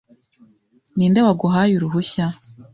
Ninde waguhaye uruhushya?